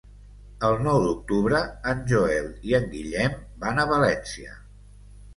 El nou d'octubre en Joel i en Guillem van a València.